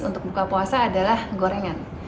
untuk buka puasa adalah gorengan